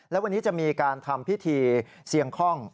และวันนี้จะมีการทำพิธีเสี่ยงคล่อง